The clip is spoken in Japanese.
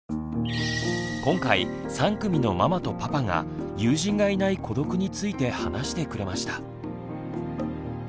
今回３組のママとパパが友人がいない孤独について話してくれました。